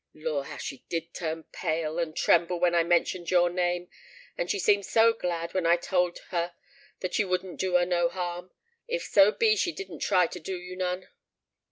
_'—Lor! how she did turn pale and tremble when I mentioned your name; and she seemed so glad when I told her that you wouldn't do her no harm, if so be she didn't try to do you none.